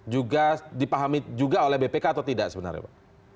juga dipahami juga oleh bpk atau tidak sebenarnya pak